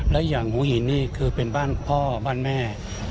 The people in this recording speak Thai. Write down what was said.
และอย่างหัวหินนี่คือเป็นบ้านพ่อบ้านแม่